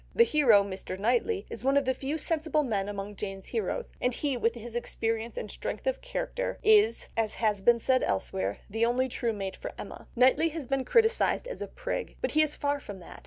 The hero, Mr. Knightley, is one of the few sensible men among Jane's heroes, and he with his experience and strength of character, is, as has been said elsewhere, the only true mate for Emma. Knightley has been criticised as a prig, but he is far from that.